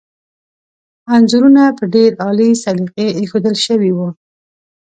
انځورونه په ډېر عالي سلیقې ایښودل شوي وو.